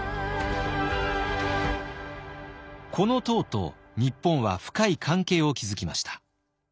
この唐と日本は深い関係を築きました。